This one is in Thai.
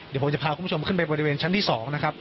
เดี๋ยวผมจะพาคุณผู้ชมขึ้นไปบริเวณชั้นที่๒นะครับ